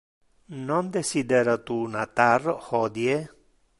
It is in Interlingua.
Non desira tu natar hodie?